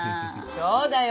そうだよ。